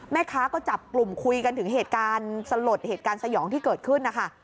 แม่ค้าก็จับกลุ่มคุยกันถึงเหตุการณ์สลดเหตุการณ์สยองที่เกิดขึ้นนะคะ